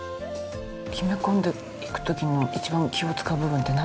木目込んでいく時に一番気を使う部分ってなんですか？